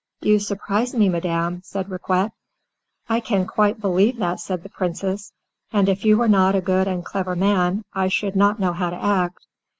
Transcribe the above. "You surprise me, madam," said Riquet. "I can quite believe that," said the Princess, "and if you were not a good and clever man, I should not know how to act.